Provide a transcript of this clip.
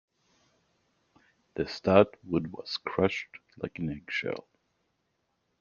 The stout wood was crushed like an eggshell.